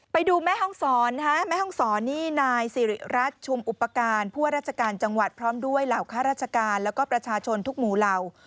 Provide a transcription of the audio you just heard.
ไปดูแม่ห้องศรแม่ห้องศรนี่นายสิริรัตน์ชุมอุปการณ์ผู้ว่าราชการจังหวัดพร้อมด้วยเหล่าข้าราชการแล้วก็ประชาชนทุกหมู่เหล่า